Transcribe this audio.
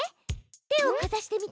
手をかざしてみて。